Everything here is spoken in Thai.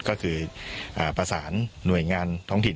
ก็คือประสานหน่วยงานท้องถิ่น